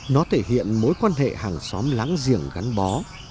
nó thể hiện mối quan hệ hàng xóm lãng giềng gắn bó